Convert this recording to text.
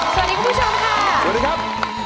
สวัสดีคุณผู้ชมค่ะสวัสดีครับ